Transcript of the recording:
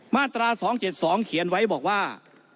มาตรา๒๗๒เขียนไว้บอกว่า